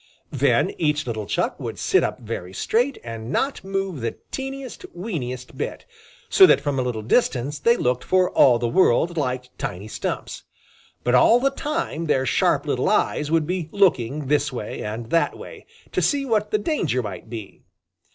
Then each little Chuck would sit up very straight and not move the teeniest, weeniest bit, so that from a little distance they looked for all the world like tiny stumps. But all the time their sharp little eyes would be looking this way and that way, to see what the danger might be.